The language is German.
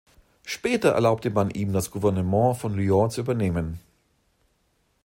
Später erlaubte man ihm, das Gouvernement von Lyon zu übernehmen.